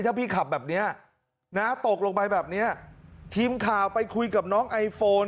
ถ้าพี่ขับแบบเนี้ยนะตกลงไปแบบเนี้ยทีมข่าวไปคุยกับน้องไอโฟน